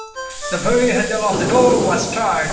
The very handle of the door was tried.